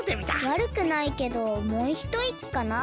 わるくないけどもうひといきかな。